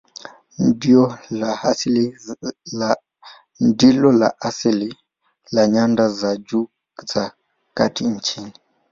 Ndilo la asili la nyanda za juu za kati nchini.